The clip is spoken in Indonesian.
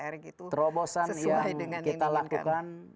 sesuai dengan ini kan terobosan yang kita lakukan